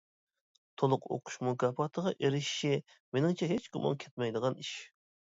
تولۇق ئوقۇش مۇكاپاتىغا ئېرىشىشى مېنىڭچە ھېچ گۇمان كەتمەيدىغان ئىش.